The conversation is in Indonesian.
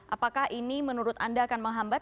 apakah ini menurut anda akan menghambat